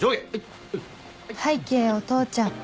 拝啓お父ちゃん